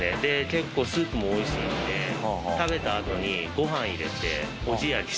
結構、スープもおいしいので食べたあとに、ご飯入れておじやにして。